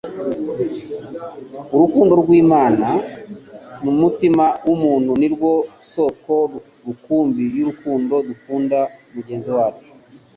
Urukundo rw'Imana mu mutima w'umuntu ni rwo soko rukumbi y'urukundo dukunda mugenzi wacu.